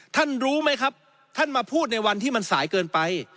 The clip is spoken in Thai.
ท่านรู้ไหมครับท่านมาพูดในวันที่มันสายเกินไป